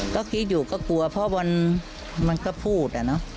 ก็คิดอยู่ก็กลัวเพราะวันมันก็พูด